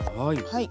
はい。